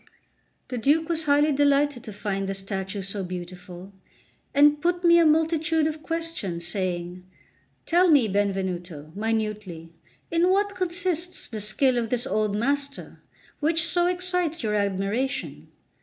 The Duke was highly delighted to find the statue so beautiful, and put me a multitude of questions, saying: "Tell me, Benvenuto, minutely, in what consists the skill of this old master, which so excites your admiration."